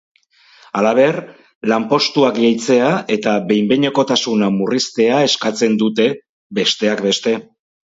Halaber, lanpostuak gehitzea eta behin-behinekotasuna murriztea eskatzen dute, besteak beste.